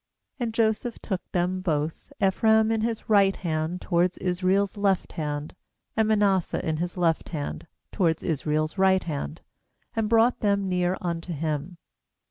13And Joseph took them both, Ephraim in his right hand toward Israel's left hand, and Manasseh in his left hand toward Israel's right hand, and brought them near unto him.